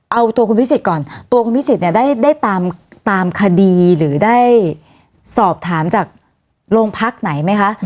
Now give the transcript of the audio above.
เอาตัวคุณพิสิทธิ์ก่อนตัวคุณพิสิทธิเนี่ยได้ตามคดีหรือได้สอบถามจากโรงพักไหนไหมคะ